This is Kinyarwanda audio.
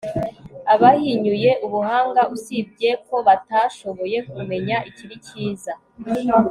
abahinyuye ubuhanga, usibye ko batashoboye kumenya ikiri cyiza